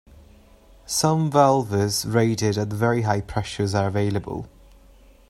Some valves rated at very high pressures are available.